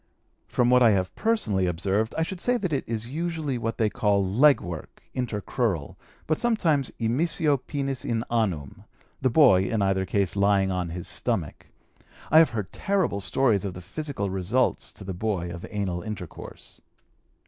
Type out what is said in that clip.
From what I have personally observed I should say that it is usually what they call "leg work" (intercrural), but sometimes immissio penis in anum, the boy, in either case, lying on his stomach. I have heard terrible stories of the physical results to the boy of anal intercourse.